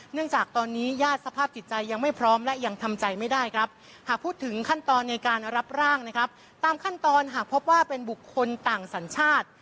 จากตอนนี้ญาติสภาพจิตใจยังไม่พร้อมและยังทำใจไม่ได้ครับหากพูดถึงขั้นตอนในการรับร่างนะครับตามขั้นตอนหากพบว่าเป็นบุคคลต่างสัญชาติ